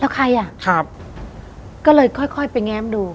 แล้วใครอ่ะครับก็เลยค่อยค่อยไปแง้มดู